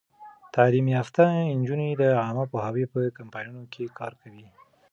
تعلیم یافته نجونې د عامه پوهاوي په کمپاینونو کې کار کوي.